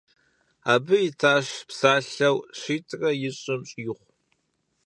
Абы итащ псалъэу щитӏрэ ищӏым щӏигъу.